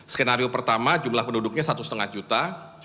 skenario pertama jumlah penduduknya satu lima juta